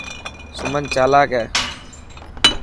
سمن چالاڪ هي.